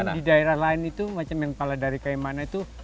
di daerah lain itu pala dari kaimana itu